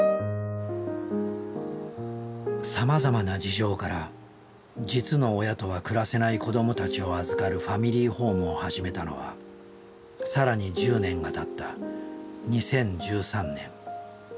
さまざまな事情から実の親とは暮らせない子どもたちを預かるファミリーホームを始めたのは更に１０年がたった２０１３年。